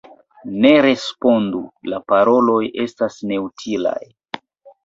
Ne respondu: la paroloj estas neutilaj.